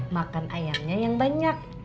makan ayamnya yang banyak